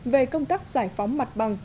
về công tác giải phóng mặt bằng